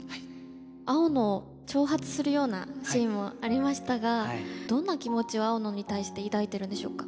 青野を挑発するようなシーンもありましたがどんな気持ちを青野に対して抱いてるんでしょうか？